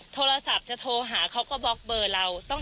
โทรศัพท์จะโทรหาเขาก็บล็อกเบอร์เรา